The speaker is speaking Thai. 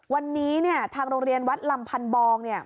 วันนี้เนี่ยทางโรงเรียนวัดลำพันบองเนี่ย